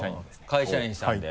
会社員さんで。